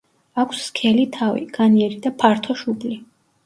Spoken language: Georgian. აქვს სქელი თავი, განიერი და ფართო შუბლი.